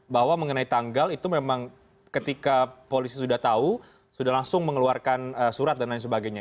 bahwa mengenai tanggal itu memang ketika polisi sudah tahu sudah langsung mengeluarkan surat dan lain sebagainya